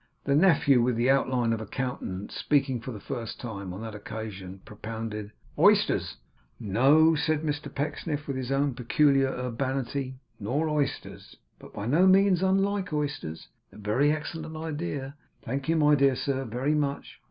The nephew with the outline of a countenance, speaking for the first and last time on that occasion, propounded 'Oysters.' 'No,' said Mr Pecksniff, with his own peculiar urbanity, 'nor oysters. But by no means unlike oysters; a very excellent idea; thank you, my dear sir, very much.